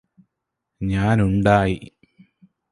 ഞാനുണ്ടായി